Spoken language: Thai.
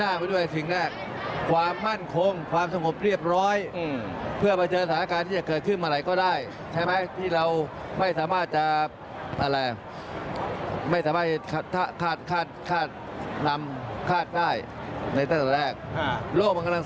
อ่ะแล้วผมไม่พูดถึงว่าเฉพาะภัคไทร